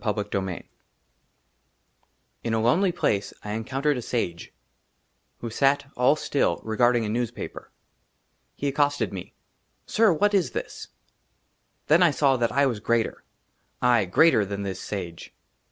II XI IN A LONELY PLACE, I ENCOUNTERED A SAGE WHO SAT, ALL STILL, REGARDING A NEWSPAPER. HE ACCOSTED ME :" SIR, WHAT IS THIS ?" THEN I SAW THAT I WAS GREATER, AYE, GREATER THAN THIS SAGE.